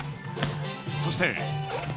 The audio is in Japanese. そして。